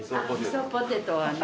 味噌ポテトはね